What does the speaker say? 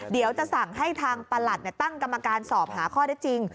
เดี๋ยวจะสั่งให้ทางประหลัดตั้งกรรมการสอบหาข้อได้จริง